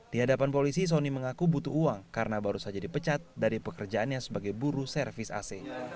di hadapan polisi sony mengaku butuh uang karena baru saja dipecat dari pekerjaannya sebagai buruh servis ac